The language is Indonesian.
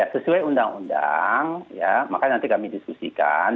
sesuai undang undang ya maka nanti kami diskusikan